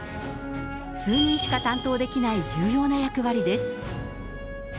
数人しか担当できない重要な役割です。